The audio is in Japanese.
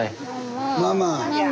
ママ。